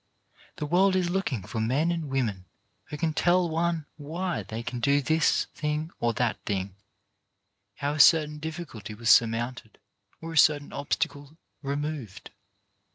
The world is looking for men and women who can tell one why they can do this thing or that thing, how a certain difficulty was surmounted or a certain obstacle removed.